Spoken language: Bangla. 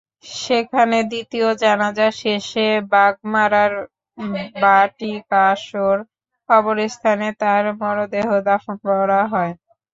সেখানে দ্বিতীয় জানাজা শেষে বাঘমারার ভাটিকাশর কবরস্থানে তাঁর মরদেহ দাফন করা হয়।